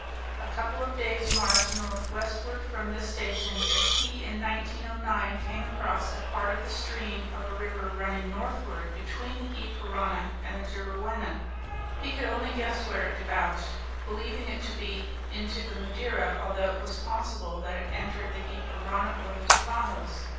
A couple of days' march northwestward from this station, he in 1909 came across a part of the stream of a river running northward between the Gy Parana and the Juruena; he could only guess where it debouched, believing it to be into the Madeira, although it was possible that it entered the Gy Parana or Tapajos.